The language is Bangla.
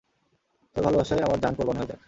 তোর ভালবাসায় আমার জান কোরবান হয়ে যাক।